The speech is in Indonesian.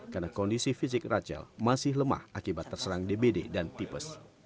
karena kondisi fisik rahel masih lemah akibat terserang d b d dan tipis